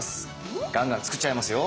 ガンガン作っちゃいますよ。